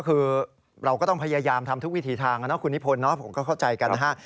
คือเราก็ต้องพยายามทำทุกวิถีทางนะคุณนิพนธ์เนาะผมก็เข้าใจกันนะฮะ